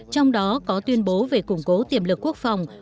trong đó có tuyên bố về củng cố tiềm lực quốc phòng